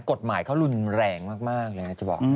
กฎหมายเขารุนแรงมากเลยนะ